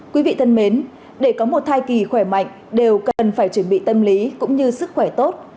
quý vị thân mến để có một thai kỳ khỏe mạnh đều cần phải chuẩn bị tâm lý cũng như sức khỏe tốt